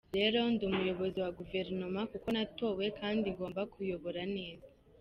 Rero, ndi umuyobozi wa guverenoma kuko natowe kandi ngomba kuyobora neza.